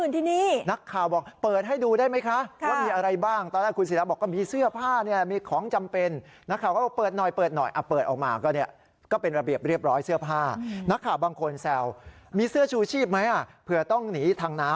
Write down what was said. ต้องหนีทางน้ำอะไรแบบนี้